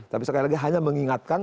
tapi sekali lagi hanya mengingatkan